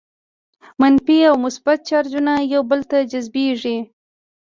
منفي او مثبت چارجونه یو بل ته جذبیږي.